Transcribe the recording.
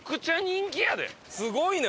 すごいね。